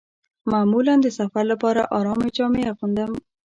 معمولاً د سفر لپاره ارامې جامې اغوندم.